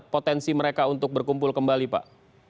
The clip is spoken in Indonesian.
potensi mereka untuk berkumpul kembali pak